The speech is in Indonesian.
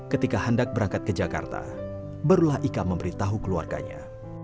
ketika handak berangkat ke jakarta berulah ika memberitahu keluarganya